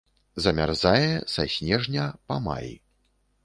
Замярзае са снежня па май.